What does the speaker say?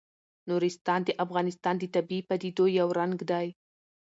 نورستان د افغانستان د طبیعي پدیدو یو رنګ دی.